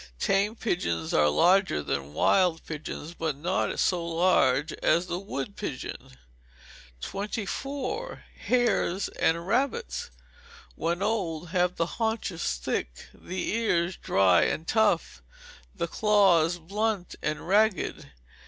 Tame pigeons are larger than wild pigeons, but not so large as the wood pigeon. 24. Hares and Rabbits when old, have the haunches thick, the ears dry and tough, and the claws blunt and ragged.